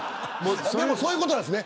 でも、そういうことなんですね。